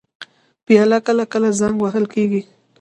پیاله کله کله زنګ وهل کېږي.